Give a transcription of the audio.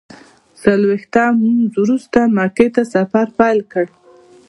څلویښتم لمونځ وروسته مکې ته سفر پیل کړ.